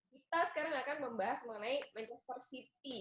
kita sekarang akan membahas mengenai manchester city